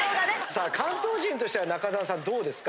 さあ関東人としては中澤さんどうですか？